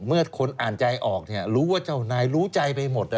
เมื่อคนอ่านใจออกรู้ว่าเจ้านายรู้ใจไปหมด